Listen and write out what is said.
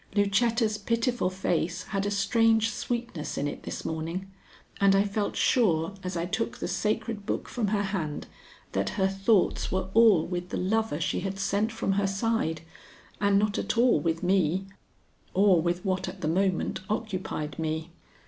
Lucetta's pitiful face had a strange sweetness in it this morning, and I felt sure as I took the sacred book from her hand that her thoughts were all with the lover she had sent from her side and not at all with me or with what at the moment occupied me.